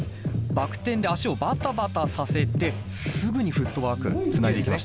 バク転で足をバタバタさせてすぐにフットワークつないできました。